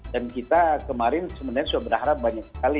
dan kita kemarin sebenarnya sudah berharap banyak sekali